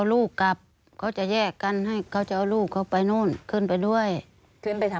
ขึ้นไปทำอะไรกับสาวลูกสาวทำอะไรไม่เป็นจ้ะขึ้นไปทำอะไรกับสาว